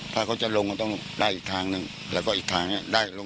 ถ้าเขาจะลงก็ต้องได้อีกทางหนึ่งแล้วก็อีกทางเนี่ยได้ลง